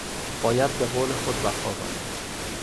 باید به قول خود وفا کنی !